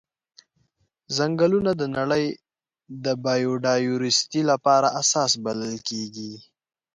ځنګلونه د نړۍ د بایوډایورسټي لپاره اساس بلل کیږي.